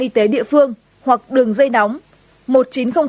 y tế địa phương hoặc đường dây nóng